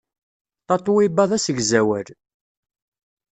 Tatoeba d asegzawal.